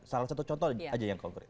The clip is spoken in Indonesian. salah satu contoh aja yang konkret